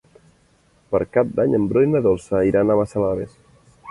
Per Cap d'Any en Bru i na Dolça iran a Massalavés.